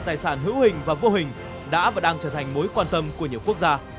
tài sản hữu hình và vô hình đã và đang trở thành mối quan tâm của nhiều quốc gia